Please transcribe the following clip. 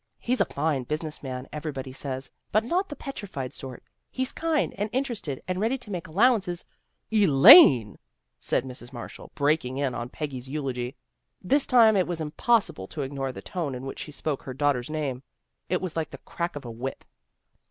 He's a fine business man, everybody says, but not the petrified sort. He's kind and interested and ready to make allowances "" Elaine! " said Mrs. Marshall, breaking in on Peggy's eulogy. This time it was impossible to ignore the tone in which she spoke her daugh ter's name. It was like the crack of a whip.